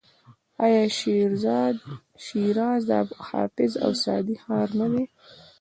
آیا شیراز د حافظ او سعدي ښار نه دی؟